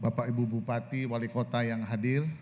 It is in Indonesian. bapak ibu bupati wali kota yang hadir